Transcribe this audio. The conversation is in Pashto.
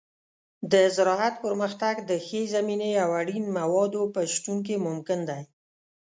د زراعت پرمختګ د ښې زمینې او اړین موادو په شتون کې ممکن دی.